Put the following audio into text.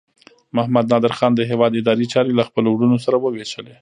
محمد نادر خان د هیواد اداري چارې له خپلو وروڼو سره وویشلې.